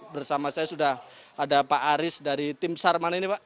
bersama saya sudah ada pak aris dari tim sarman ini pak